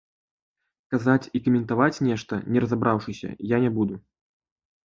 Казаць і каментаваць нешта, не разабраўшыся, я не буду.